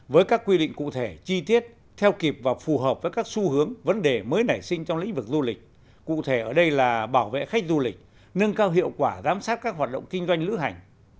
với các quy định cụ thể chi tiết theo kịp và phù hợp với các xu hướng vấn đề mới nảy sinh trong lĩnh vực du lịch cụ thể ở đây là bảo vệ khách du lịch nâng cao hiệu quả giám sát các hoạt động kinh doanh lữ hành